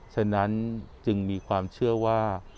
ฉะนั้นจึงมีความเชื่อว่า